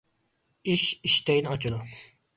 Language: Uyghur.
ئىش ئىشتەينى ئاچىدۇ.